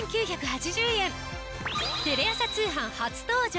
テレ朝通販初登場！